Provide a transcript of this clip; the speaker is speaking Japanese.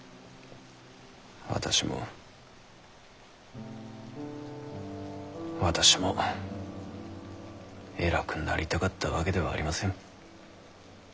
私も私も偉くなりたかったわけではありません。